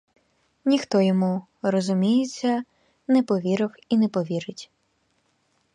Ніхто йому, розуміється, не повірив і не повірить.